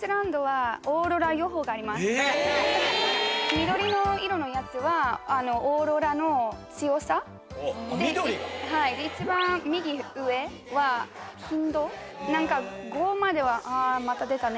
緑の色のやつはオーロラの強さ緑が一番右上は頻度なんか５までは「ああまた出たね」